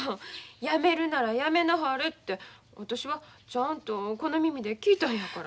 やめるならやめなはれて私はちゃんとこの耳で聞いたんやから。